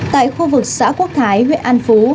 tại khu vực xã quốc thái huyện an phú